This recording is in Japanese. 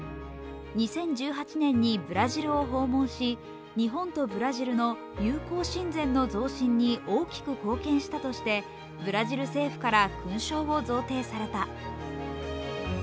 ２０１８年にブラジルを訪問し、日本とブラジルの友好親善の増進に大きく貢献したとして、ブラジル政府から勲章を贈呈された。